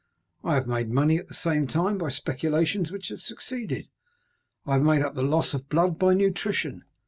"I have made money at the same time by speculations which have succeeded. I have made up the loss of blood by nutrition.